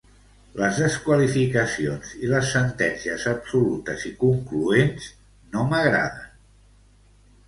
Les desqualificacions i les sentències absolutes i concloents no m'agraden.